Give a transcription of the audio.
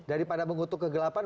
daripada mengutuk kegelapan